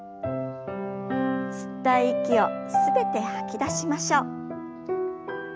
吸った息を全て吐き出しましょう。